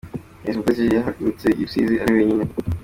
Miss Umutesi Teta yahagurutse i Rusizi ari wenyine.